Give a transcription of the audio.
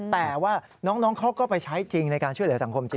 แต่ว่าน้องเขาก็ไปใช้จริงในการช่วยเหลือสังคมจริง